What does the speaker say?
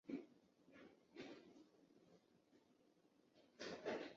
兴亚会成员。